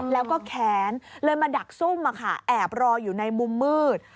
แล้วก็แค้นเลยมาดักซุ่มแอบรออยู่ในมุมมืด